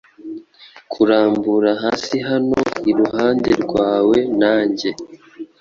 Kurambura hasihano iruhande rwawe nanjye